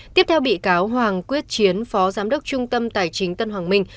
tiếp theo bị cáo hoàng quyết chiến phó giám đốc trung tâm tài chính tân hoàng minh